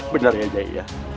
benar ya jaya